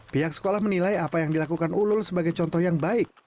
pihak sekolah menilai apa yang dilakukan ulul sebagai contoh yang baik